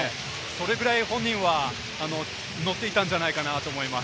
それくらい本人はノッていたんじゃないかなと思います。